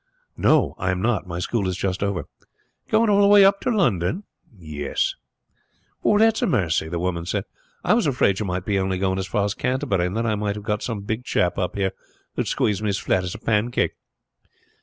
"No, I am not. My school is just over." "Going all the way up to London?" "Yes." "That's a mercy," the woman said. "I was afraid you might be only going as far as Canterbury, and then I might have got some big chap up here who would squeeze me as flat as a pancake.